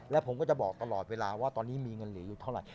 และผมก็จะบอกตลอดเวลาว่าตอนนี้มีเงินเหลืออยู่เท่าไหร